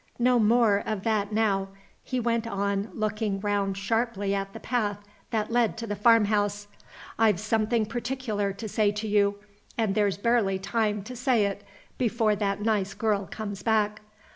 No more of that now," he went on, looking round sharply at the path that led to the farmhouse. "I've something particular to say to you and there's barely time to say it before that nice girl comes back.